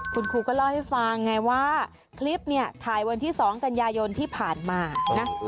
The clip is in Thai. คุณครูก็เล่าให้ฟังไงว่าคลิปเนี่ยถ่ายวันที่๒กันยายนที่ผ่านมานะ